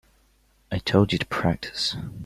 I told you to practice.